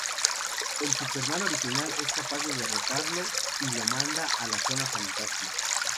El Superman original es capaz de derrotarlo y lo manda a la zona fantasma.